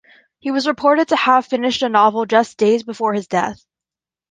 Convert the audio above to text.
He was reported to have finished a novel just days before his death.